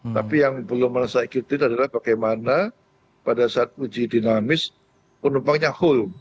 tapi yang belum merasa ikutin adalah bagaimana pada saat uji dinamis penumpangnya full